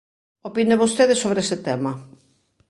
Opine vostede sobre ese tema.